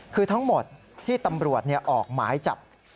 คือทั้งหมดที่ตำรวจออกหมายจับ